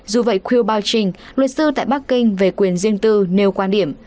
dù vậy quiro baoching luật sư tại bắc kinh về quyền riêng tư nêu quan điểm